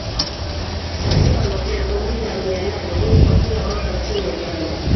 Takriban watu elfu mbili na mia nane hufa kila mwaka nchini Uganda